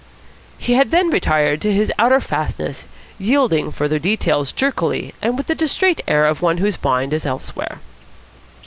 He had then retired to his outer fastness, yielding further details jerkily and with the distrait air of one whose mind is elsewhere.